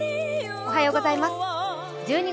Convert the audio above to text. おはようございます。